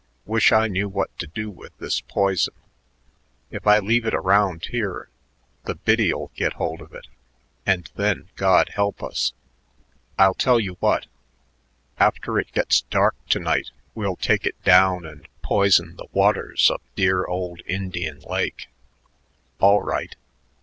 Wish I knew what to do with this poison. If I leave it around here, the biddy'll get hold of it, and then God help us. I'll tell you what: after it gets dark to night we'll take it down and poison the waters of dear old Indian Lake." "All right.